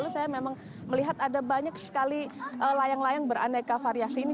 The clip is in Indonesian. saya memang melihat ada banyak sekali layang layang beraneka variasi ini